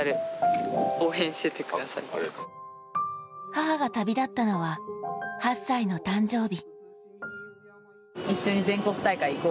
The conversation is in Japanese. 母が旅立ったのは８歳の誕生日。